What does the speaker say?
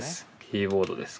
キーボードです。